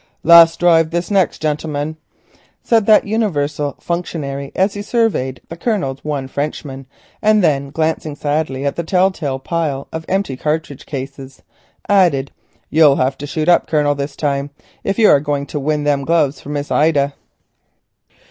"Last drive this next, gentlemen," said that universal functionary as he surveyed the Colonel's one Frenchman, and then glancing sadly at the tell tale pile of empty cartridge cases, added, "You'll hev to shoot up, Colonel, this time, if you are a going to win them there gloves for Miss Ida.